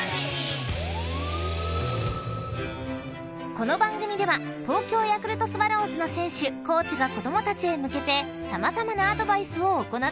［この番組では東京ヤクルトスワローズの選手・コーチが子供たちへ向けて様々なアドバイスを行っていきます］